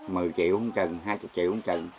mười triệu không cần hai chục triệu không cần